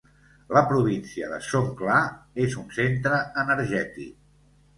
La província de Songkhla és un centre energètic.